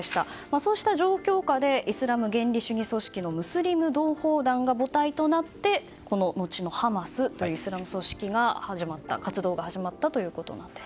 そうした状況下でイスラム原理主義組織のムスリム同胞団が母体となって後のハマスというイスラム組織の活動が始まったということです。